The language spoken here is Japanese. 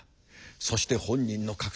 そして本人の確信